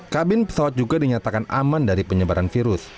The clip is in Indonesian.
kabin pesawat juga dinyatakan aman dari penyebaran virus